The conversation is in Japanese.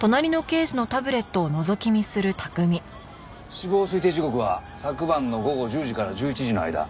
死亡推定時刻は昨晩の午後１０時から１１時の間。